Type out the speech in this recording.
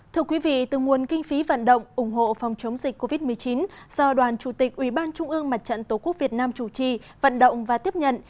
thưa quý vị từ nguồn kinh phí vận động ủng hộ phòng chống dịch covid một mươi chín do đoàn chủ tịch ủy ban trung ương mặt trận tổ quốc việt nam chủ trì vận động và tiếp nhận